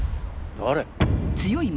誰？